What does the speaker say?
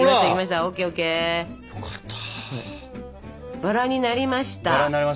バラになりました。